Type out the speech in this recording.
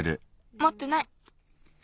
もってない。